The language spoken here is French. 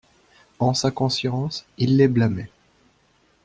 En sa conscience, il les blâmait.